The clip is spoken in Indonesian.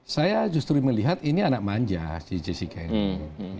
saya justru melihat ini anak manja si jessica ini